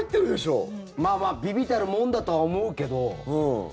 まあまあ微々たるもんだとは思うけど。